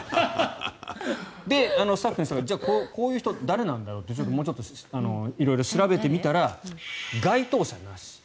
スタッフの人がこういう人は誰なんだろうともうちょっと色々調べてみたら該当者なし。